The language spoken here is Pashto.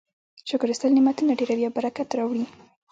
شکر ایستل نعمتونه ډیروي او برکت راوړي.